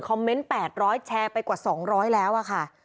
คอมเมนต์แปดร้อยแชร์ไปกว่าสองร้อยแล้วอ่ะค่ะ